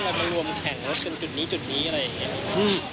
เรามารวมแข่งรถกันจุดนี้จุดนี้อะไรอย่างนี้